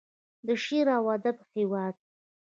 د شعر او ادب هیواد.